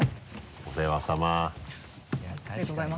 お世話さま。